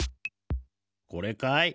これかい？